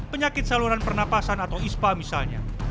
penyakit saluran pernapasan atau ispa misalnya